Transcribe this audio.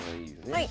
はい。